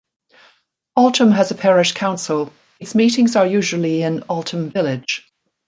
Altham has a parish council; its meetings are usually in Altham village.